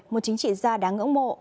một chính trị gia đáng ưỡng mộ